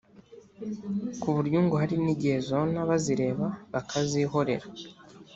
ku buryo ngo hari n’igihe zona bazireba bakazihorera